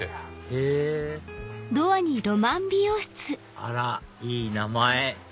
へぇあらいい名前！